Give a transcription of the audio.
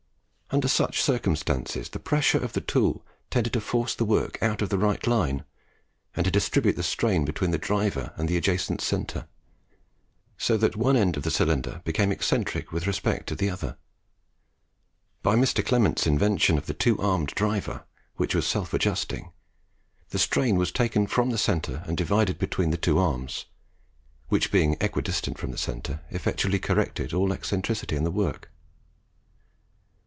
Under such circumstances the pressure of the tool tended to force the work out of the right line and to distribute the strain between the driver and the adjacent centre, so that one end of the cylinder became eccentric with respect to the other. By Mr. Clement's invention of the two armed driver, which was self adjusting, the strain was taken from the centre and divided between the two arms, which being equidistant from the centre, effectually corrected all eccentricity in the work.